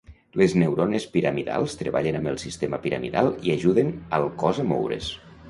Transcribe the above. Les neurones piramidals treballen amb el sistema piramidal i ajuden al cos a moure's.